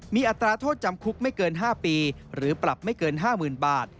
มีอัตราโทษจำคุกไม่เกิน๕ปีหรือปรับไม่เกิน๕๐๐๐บาท